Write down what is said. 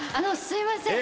すいません。